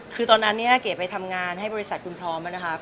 คือตอนนั้นเนี่ยเก๋ไปทำงานให้บริษัทคุณพร้อมนะครับ